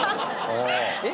えっ？